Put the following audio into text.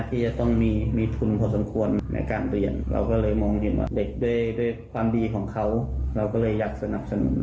โดยความดีของเขาเราก็เลยอยากสนับสนุน